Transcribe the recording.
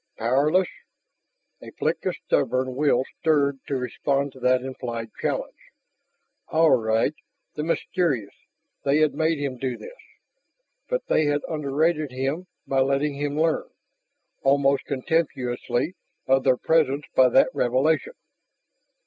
Powerless! A flicker of stubborn will stirred to respond to that implied challenge. All right, the mysterious they had made him do this. But they had underrated him by letting him learn, almost contemptuously, of their presence by that revelation.